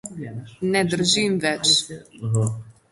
Ne držim več.